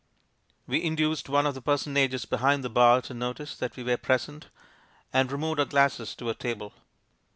We induced one of the personages behind the bar to notice that we were present, and removed our glasses to a table.